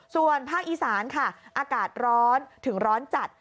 ส่วนภาคอีสานค่ะอากาศร้อนถึงร้อนจัด